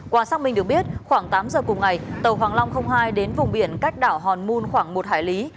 qua xác minh được biết khoảng tám giờ cùng ngày tàu hoàng long hai đến vùng biển cách đảo hòn mon khoảng một hải lý